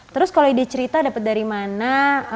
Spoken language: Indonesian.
terus kalau ide cerita dapat dari mana